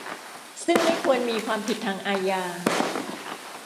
ซึ่งไม่ควรมีความผิดทางอาญา